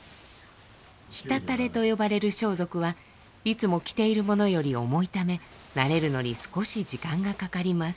直垂と呼ばれる装束はいつも着ているものより重いため慣れるのに少し時間がかかります。